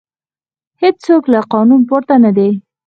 هیڅوک له قانون پورته نه دی